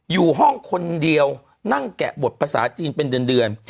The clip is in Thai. อยู่ห้องคนเดียวนั่งแกะบทภาษาจีนเป็นเดือน